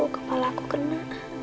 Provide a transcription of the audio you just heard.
kepala aku kena